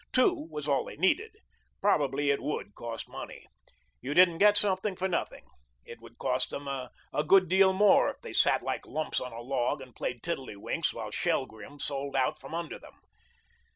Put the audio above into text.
Two was all they needed. Probably it WOULD cost money. You didn't get something for nothing. It would cost them all a good deal more if they sat like lumps on a log and played tiddledy winks while Shelgrim sold out from under them.